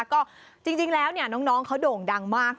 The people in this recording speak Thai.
ก็จริงแล้วเนี่ยน้องเค้าโด่งดังมาก